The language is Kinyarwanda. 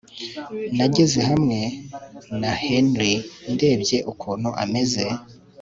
nageze hamwe na Henry ndebye ukuntu ameze